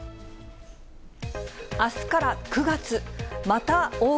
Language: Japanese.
あすから９月。